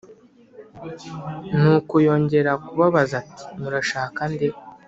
Nuko yongera kubabaza ati murashaka nde